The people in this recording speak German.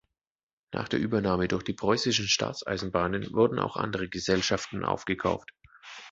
Nach der Übernahme durch die Preußischen Staatseisenbahnen wurden auch andere Gesellschaften aufgekauft.